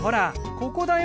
ここだよ。